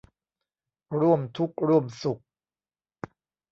ร่วมทุกข์ร่วมสุข